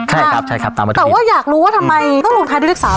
ใช่ครับใช่ครับตามปกติแต่ว่าอยากรู้ว่าทำไมต้องลงท้ายด้วยเลข๓